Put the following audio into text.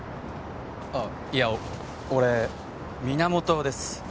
あっいや俺源です